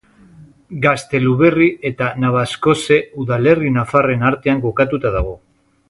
Gazteluberri eta Nabaskoze udalerri nafarren artean kokatuta dago.